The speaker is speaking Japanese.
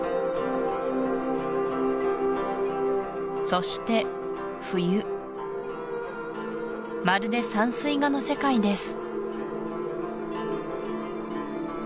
そして冬まるで山水画の世界です